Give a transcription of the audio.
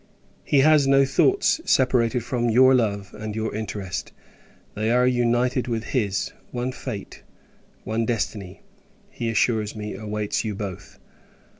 He has no thoughts separated from your love, and your interest. They are united with his; one fate, one destiny, he assures me, awaits you both.